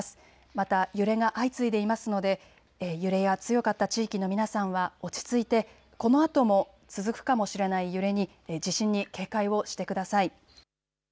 また揺れが相次いでいますので揺れや強かった地域の皆さんは落ち着いてこのあとも続くかもしれない揺れに、地震に警戒をしてください。